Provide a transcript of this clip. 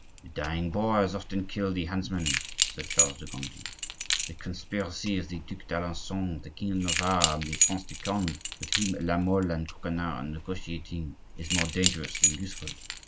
"The dying boar has often killed the huntsman," said Charles de Gondi. "This conspiracy of the Duc d'Alencon, the king of Navarre, and the Prince de Conde, with whom La Mole and Coconnas are negotiating, is more dangerous than useful.